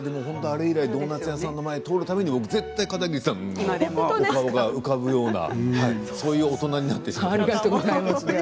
あれ以来ドーナツ屋さんの前を通るたびに絶対に片桐さんの顔が浮かぶようなそんな大人になってしまいました。